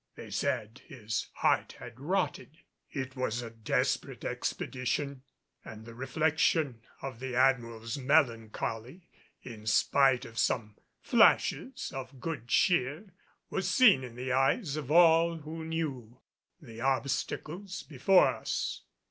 They said his heart had rotted. It was a desperate expedition, and the reflection of the Admiral's melancholy, in spite of some flashes of good cheer, was seen in the eyes of all who knew the obstacles before us.